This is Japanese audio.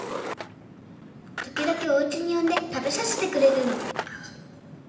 時々おうちに呼んで食べさせてくれるの。